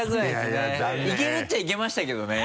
いけるっちゃいけましたけどね。